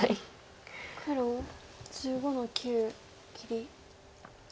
黒１５の九切り。